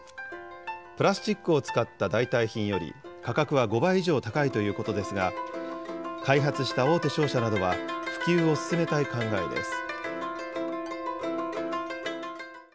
プラスチックを使った代替品より価格は５倍以上高いということですが、開発した大手商社などは普及を進めたい考えです。